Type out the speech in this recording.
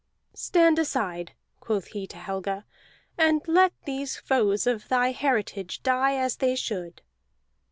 "Stand aside," quoth he to Helga, "and let these foes of thy heritage die as they should."